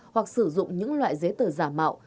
hoặc sử dụng những loại giấy tờ giả mạo